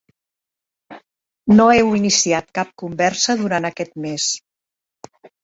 No heu iniciat cap conversa durant aquest mes.